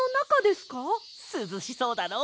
すずしそうだろ？